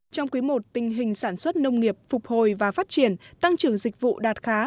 trong quý i tình hình sản xuất nông nghiệp phục hồi và phát triển tăng trưởng dịch vụ đạt khá